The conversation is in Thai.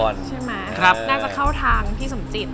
น่าจะเข้าทางพี่สมจิต